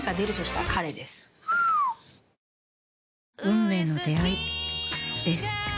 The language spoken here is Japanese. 運命の出会いです。